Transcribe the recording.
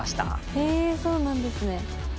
へえそうなんですね。